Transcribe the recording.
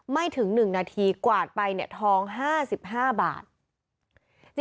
ไม่ถึงหนึ่งนาทีกวาดไปเนี่ยทองห้าสิบห้าบาท